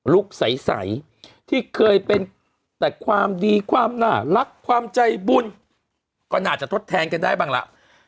ใสที่เคยเป็นแต่ความดีความน่ารักความใจบุญก็น่าจะทดแทนกันได้บ้างล่ะ